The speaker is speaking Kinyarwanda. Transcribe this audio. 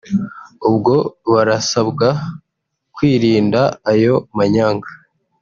ubwo barasabwa kwirinda ayo manyanga